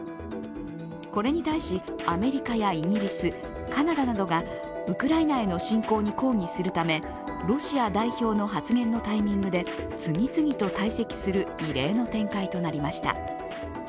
これに対し、アメリカやイギリス、カナダなどがウクライナへの侵攻に抗議するため、ロシア代表の発言のタイミングで次々と退席する異例の展開となりました。